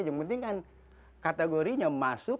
yang penting kan kategorinya masuk